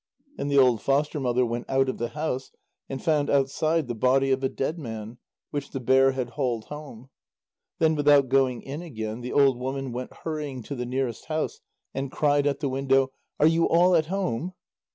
Then the old foster mother went out of the house, and found outside the body of a dead man, which the bear had hauled home. Then without going in again, the old woman went hurrying to the nearest house, and cried at the window: "Are you all at home?"